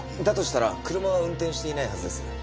だとしたら車は運転していないはずです。